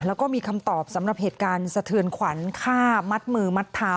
แล้วก็มีคำตอบสำหรับเหตุการณ์สะเทือนขวัญฆ่ามัดมือมัดเท้า